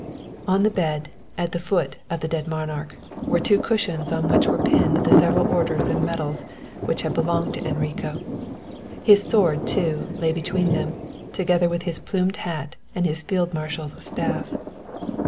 On the bed, at the feet of the dead monarch, were two cushions on which were pinned the several orders and medals which had belonged to Enrico; his sword, too, lay between them, together with his plumed hat and his field marshal's staff.